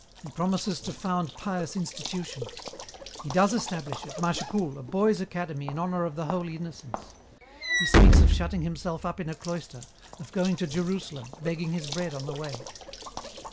He promises to found pious institutions. He does establish, at Mâchecoul, a boys' academy in honour of the Holy Innocents. He speaks of shutting himself up in a cloister, of going to Jerusalem, begging his bread on the way.